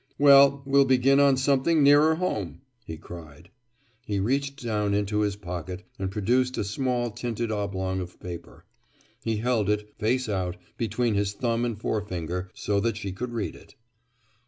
"Well, we'll begin on something nearer home!" he cried. He reached down into his pocket and produced a small tinted oblong of paper. He held it, face out, between his thumb and forefinger, so that she could read it.